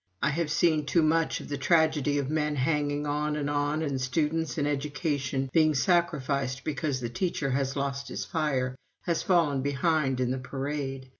I have seen too much of the tragedy of men hanging on and on and students and education being sacrificed because the teacher has lost his fire has fallen behind in the parade.